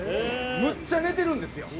むっちゃ寝てるんですよ。